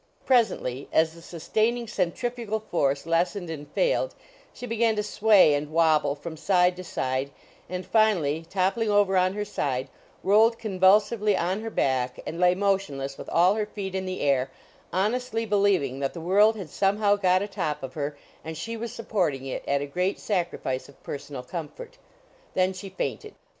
Presently, as the sustaining centrifugal force lessened and failed, she began to sway and wabble from side to side, and finally, toppling over on her side, rolled convulsively on her back and lay motionless with all her feet in the air, honestly believing that the world had somehow got atop of her and she was supporting it at a great sacrifice of personal comfort. Then she fainted.